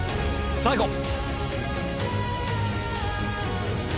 さあいこう！